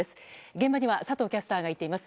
現場には佐藤キャスターが行っています。